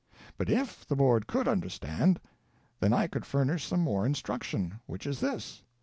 But if the Board could understand, then I could furnish some more instruction — which is this.